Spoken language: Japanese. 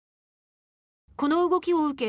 この動きを受け